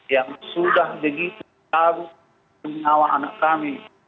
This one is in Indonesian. yang sudah begitu tahu penyawa anak kami